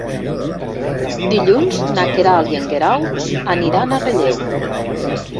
Dilluns na Queralt i en Guerau aniran a Relleu.